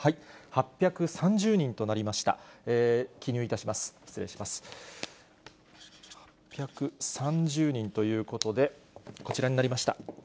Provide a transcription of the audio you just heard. ８３０人ということで、こちらになりました。